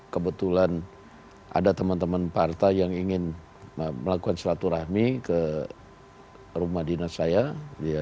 kebetulan ada teman teman partai yang ingin melakukan silaturahmi ke rumah dinas saya